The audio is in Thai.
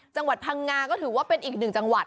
จังหวัดพังงาก็ถือว่าเป็นอีกหนึ่งจังหวัด